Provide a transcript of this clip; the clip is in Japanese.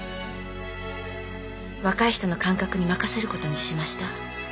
若い人の感覚に任せる事にしました。